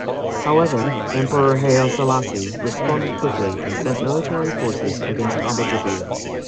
However, Emperor Haile Selassie responded quickly and sent military forces against Abba Jobir.